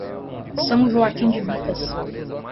São Joaquim de Bicas